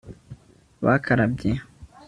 bakarabye